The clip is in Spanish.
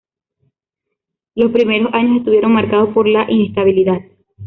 Los primeros años estuvieron marcados por la inestabilidad.